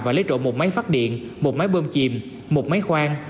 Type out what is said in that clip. và lấy trộm một máy phát điện một máy bơm chìm một máy khoang